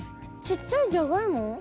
ちっちゃいじゃがいも？